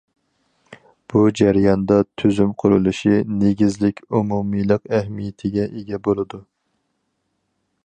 بۇ جەرياندا، تۈزۈم قۇرۇلۇشى نېگىزلىك، ئومۇمىيلىق ئەھمىيىتىگە ئىگە بولىدۇ.